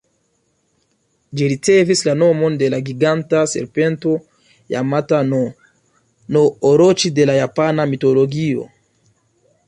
Ĝi ricevis la nomon de la giganta serpento Jamata-no-Oroĉi de la japana mitologio.